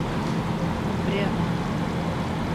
прямо